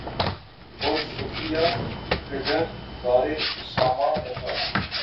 اور صفیہ کا گھر دارِ اسامہ میں تھا